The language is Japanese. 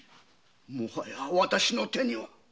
もはや私の手には。